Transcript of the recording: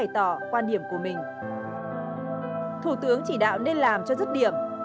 thủ tướng chỉ đạo nên làm cho dứt điểm